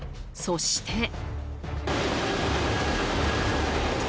そして。